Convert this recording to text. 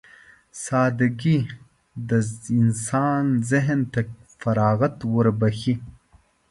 سادهګي د انسان ذهن ته فراغت وربښي.